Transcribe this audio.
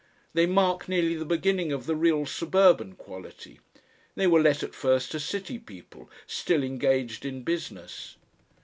They mark nearly the beginning of the real suburban quality; they were let at first to City people still engaged in business.